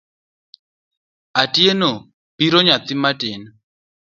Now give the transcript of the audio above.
Atieno piro nyathi matin.